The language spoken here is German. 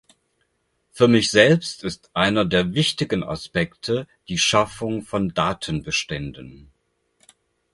Für mich selbst ist einer der wichtigen Aspekte die Schaffung von Datenbeständen.